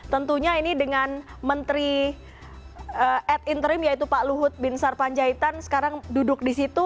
tentunya ini dengan menteri at interim yaitu pak luhut bin sarpanjaitan sekarang duduk di situ